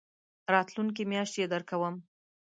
راتلونکې میاشت يي درکوم